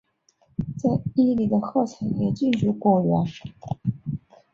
在伊犁的霍城也进入果园。